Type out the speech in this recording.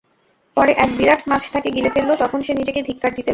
পরে এক বিরাট মাছ তাকে গিলে ফেলল তখন সে নিজেকে ধিক্কার দিতে লাগল।